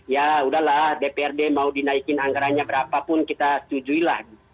ya udahlah dprd mau dinaikin anggarannya berapapun kita setujuilah